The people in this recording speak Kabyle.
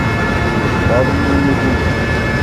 Tṛebbaḍ yiwen n ugujil.